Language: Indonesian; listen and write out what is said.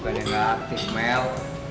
bukan yang gak aktif mel